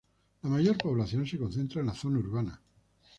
La mayor población se concentra en la zona urbana.